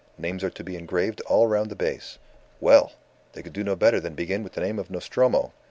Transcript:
Names are to be engraved all round the base. Well! They could do no better than begin with the name of Nostromo.